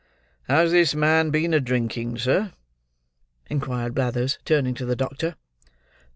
"Has this man been a drinking, sir?" inquired Blathers, turning to the doctor.